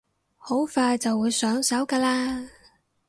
好快就會上手㗎喇